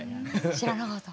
知らなかった。